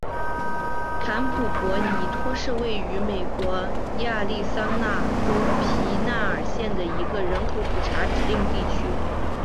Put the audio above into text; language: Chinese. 坎普博尼托是位于美国亚利桑那州皮纳尔县的一个人口普查指定地区。